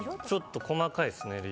ちょっと細かいですね